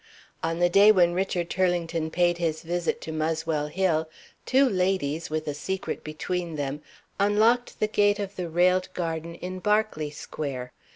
On the day when Richard Turlington paid his visit to Muswell Hill, two ladies (with a secret between them) unlocked the gate of the railed garden in Berkeley Square.